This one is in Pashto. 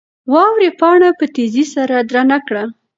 واورې پاڼه په تېزۍ سره درنه کړه.